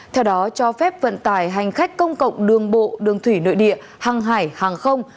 theo đó cho phép vận tải hành khách công cộng đường bộ đường thủy nội địa hàng hải hàng không